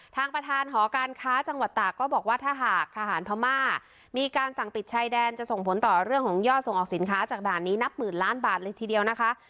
ทางประธานหอการค้าจังหวัดตากก็บอกว่าถ้าหากทหารพม่ามีการสั่งปิดชายแดนจะส่งผลต่อเรื่องของยอดส่งออกสินค้าจากด่านนี้นับหมื่นล้านบาทเลยทีเดียวนะคะ